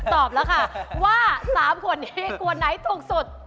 ตอบแล้วค่ะว่า๓คนนี้ขวดไหนถูกสุด